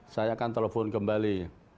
saya akan telepon kembali